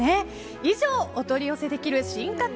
以上、お取り寄せできる進化系